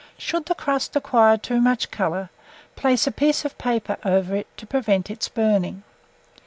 Should the crust acquire too much colour, place a piece of paper over it to prevent its burning.